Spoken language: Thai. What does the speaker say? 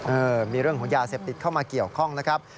เออมีเรื่องของยาเสพติดเข้ามาเกี่ยวข้องนะครับ